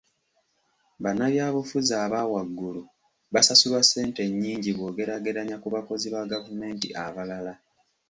Bannabyabufuzi aba waggulu basasulwa ssente nnyingi bw'ogeraageranya ku bakozi ba gavumenti abalala.